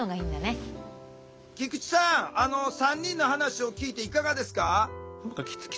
菊池さん３人の話を聞いていかがですか？